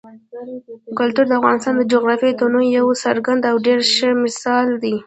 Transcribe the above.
کلتور د افغانستان د جغرافیوي تنوع یو څرګند او ډېر ښه مثال دی.